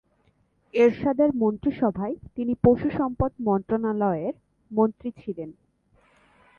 এরশাদের মন্ত্রিসভায় তিনি পশু সম্পদ মন্ত্রণালয়ের মন্ত্রী ছিলেন।